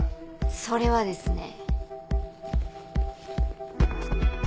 それはですね。